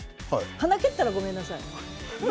鼻を蹴ったらごめんなさい。